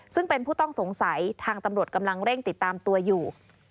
ซึ่งเป็นผู้ต้องสงสัยทางตำรวจกำลังเร่งติดตามตัวอยู่